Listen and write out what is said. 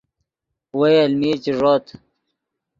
وئے المین چے ݱوت